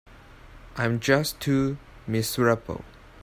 I'm just too miserable.